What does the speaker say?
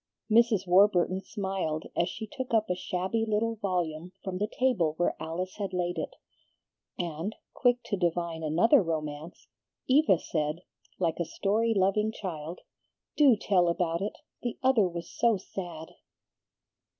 Mrs. Warburton smiled as she took up a shabby little volume from the table where Alice had laid it, and, quick to divine another romance, Eva said, like a story loving child, "Do tell about it! The other was so sad."